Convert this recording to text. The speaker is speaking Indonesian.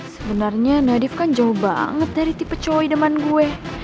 sebenernya nadif kan jauh banget dari tipe cowok ideman gue